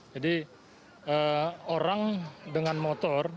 jadi orang dengan motor